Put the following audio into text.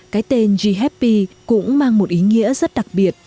cái tên g happy cũng mang một ý nghĩa rất đặc biệt